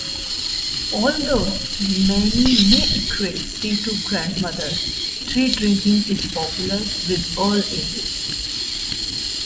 Although many may equate tea to grandmothers, tea drinking is popular with all ages.